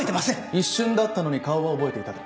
一瞬だったのに顔は覚えていたと。